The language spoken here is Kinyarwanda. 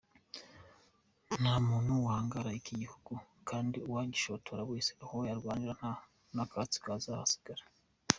Nta muntu wahangara iki gihugu, kandi uwagishotora wese aho barwanira nta n’akatsi kazahasigara.